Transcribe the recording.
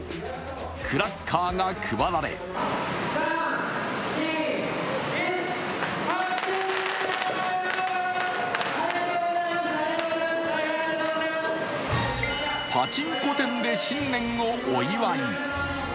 クラッカーが配られパチンコ店で新年をお祝い。